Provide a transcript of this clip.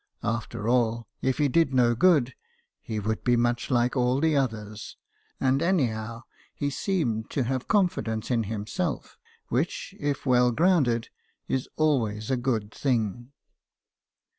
After all, if he did no good, he would be much 42 BIOGRAPHIES OF WORKING MEN. like all the others ; and anyhow he seemed to have confidence in himself, which, if well grounded, is always a good thing.